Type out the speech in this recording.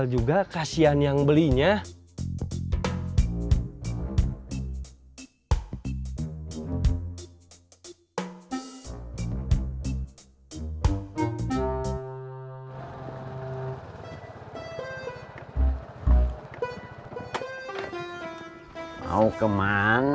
buka puasa bersama